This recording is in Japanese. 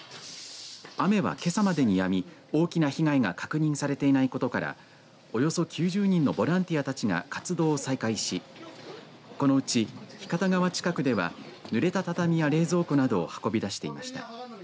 雨はけさまでにやみ大きな被害が確認されていないことからおよそ９０人のボランティアたちが活動を再開しこのうち、日方川近くではぬれた畳や、冷蔵庫などを運び出していました。